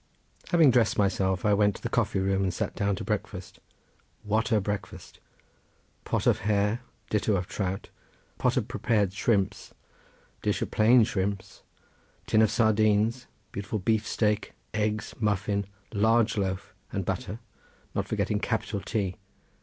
Having dressed myself I went to the coffee room and sat down to breakfast. What a breakfast! pot of hare; ditto of trout; pot of prepared shrimps; dish of plain shrimps; tin of sardines; beautiful beef steak; eggs, muffin; large loaf, and butter, not forgetting capital tea.